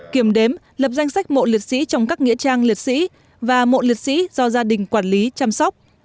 kiểm đếm lập danh sách mộ liệt sĩ trong các nghĩa trang liệt sĩ và mộ liệt sĩ do gia đình quản lý chăm sóc